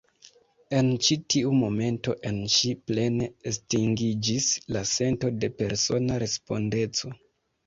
En ĉi tiu momento en ŝi plene estingiĝis la sento de persona respondeco.